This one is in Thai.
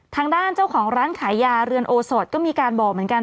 ทางด้านเจ้าของร้านขายยาเรือนโอสดก็มีการบอกเหมือนกัน